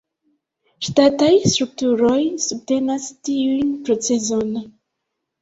Ŝtataj strukturoj subtenas tiun procezon.